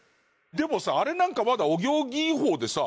でもさあれなんかまだお行儀いい方でさ